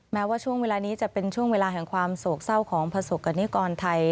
แม้ว่าช่วงเวลานี้จะเป็นช่วงเวลาแห่งความโศกเศร้าของประสบกรณิกรไทย